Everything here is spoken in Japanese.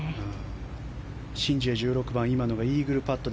シン・ジエ１６番、今のがイーグルパット。